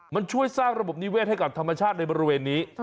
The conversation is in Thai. มันช่วยสร้างระบบนิเวศให้กับธรรมชาติในบริเวณนี้